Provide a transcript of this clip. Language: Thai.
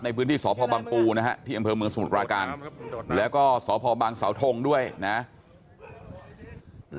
ในพื้นที่สพบังปูนะฮะที่อำเภอเมืองสมุทรปราการแล้วก็สพบังเสาทงด้วยนะ